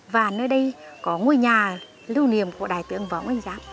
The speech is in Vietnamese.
và nơi đây có ngôi nhà lưu niềm của đại tướng võ nguyên giáp